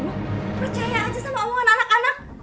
percaya aja sama om anak anak